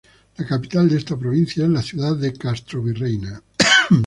La capital de esta provincia es la ciudad de Castrovirreyna.